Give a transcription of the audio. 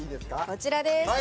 こちらです。